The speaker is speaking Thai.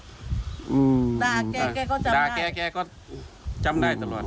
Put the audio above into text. ด่าแกแกก็จำได้